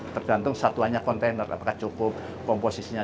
tergantung satuannya kontainer apakah cukup komposisinya